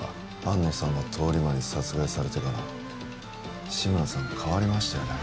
安野さんが通り魔に殺害されてから志村さん変わりましたよね